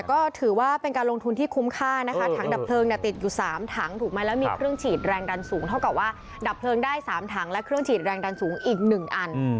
ก็ถือว่าเป็นการลงทุนที่คุ้มค่านะคะถังดับเพลิงเนี่ยติดอยู่๓ถังถูกไหมแล้วมีเครื่องฉีดแรงดันสูงเท่ากับว่าดับเพลิงได้๓ถังและเครื่องฉีดแรงดันสูงอีก๑อัน